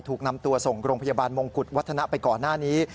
ถูกนำตัวส่งโรงพยาบาลมงกุฎวัฒนะไปก่อนหน้านี้